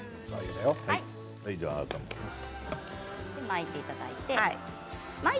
まいていただいて。